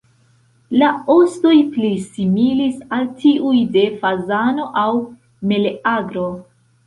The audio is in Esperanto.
La ostoj pli similis al tiuj de fazano aŭ meleagro.